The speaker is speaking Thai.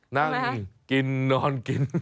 นั่งกินนอนกิน